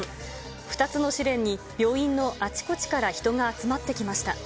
２つの試練に、病院のあちこちから人が集まってきました。